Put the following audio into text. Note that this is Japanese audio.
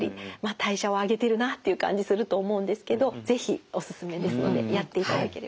代謝を上げてるなっていう感じすると思うんですけど是非おすすめですのでやっていただければ。